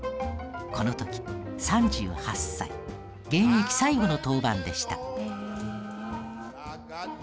この時３８歳現役最後の登板でした。